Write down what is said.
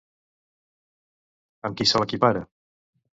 Amb qui se l'equipara?